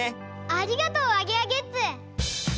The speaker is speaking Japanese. ありがとうアゲアゲッツ！